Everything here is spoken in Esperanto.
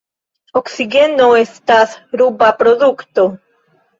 Oksigeno estas ruba produkto.